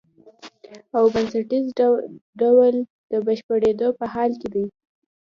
او بنسټیز ډول د بشپړېدو په حال کې دی.